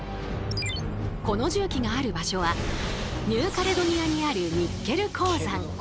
この重機がある場所はニューカレドニアにあるニッケル鉱山。